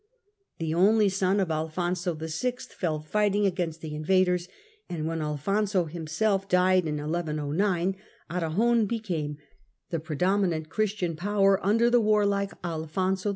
The only son of Alfonso VI. fell fighting against the invaders, and when Alfonso himself died in 1109 Aragon became the pre dominant Christian power, under the warlike Alfonso I.